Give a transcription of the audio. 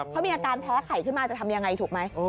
เขามีอาการแพ้ไข่ขึ้นมาจะทำยังไงถูกไหม